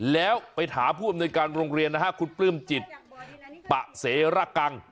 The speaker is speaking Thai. แล้วไปถามผู้อำนวยการโรงเรียนนะฮะคุณปลื้มจิตปะเสระกัง